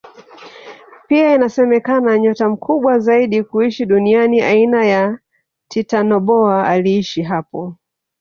Pia inasemekana nyoka mkubwa zaidi kuishi duniani aina ya titanoboa aliishi hapo